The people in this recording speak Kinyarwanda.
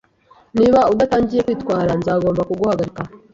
Niba udatangiye kwitwara nzagomba kuguhagarika